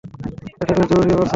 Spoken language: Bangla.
এটা বেশ জরুরী ব্যাপার, স্যার!